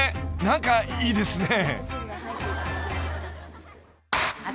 何かいいですね］